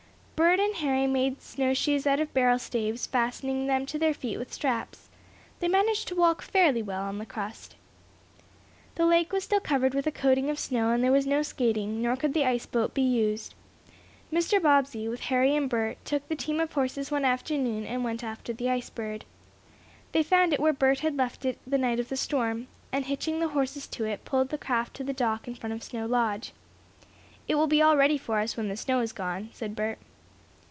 Bert and Harry made snowshoes out of barrel staves, fastening them to their feet with straps. They managed to walk fairly well on the crust. The lake was still covered with a coating of snow, and there was no skating, nor could the ice boat be used. Mr. Bobbsey, with Harry and Bert, took the team of horses one afternoon and went after the Ice Bird. They found it where Bert had left it the night of the storm, and hitching the horses to it, pulled the craft to the dock in front of Snow Lodge. "It will be all ready for us when the snow is gone," said Bert.